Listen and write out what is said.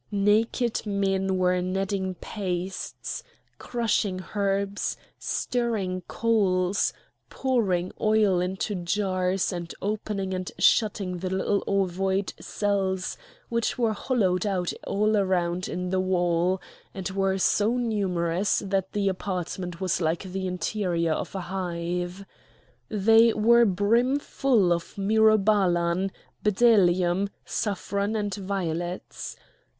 Naked men were kneading pastes, crushing herbs, stirring coals, pouring oil into jars, and opening and shutting the little ovoid cells which were hollowed out all round in the wall, and were so numerous that the apartment was like the interior of a hive. They were brimful of myrobalan, bdellium, saffron, and violets.